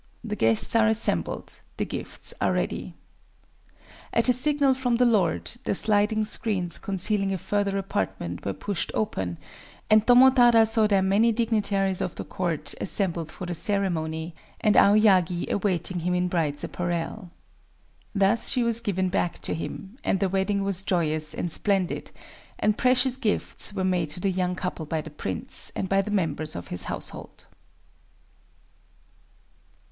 The guests are assembled;—the gifts are ready." At a signal from the lord, the sliding screens concealing a further apartment were pushed open; and Tomotada saw there many dignitaries of the court, assembled for the ceremony, and Aoyagi awaiting him in brides' apparel... Thus was she given back to him;—and the wedding was joyous and splendid;—and precious gifts were made to the young couple by the prince, and by the members of his household.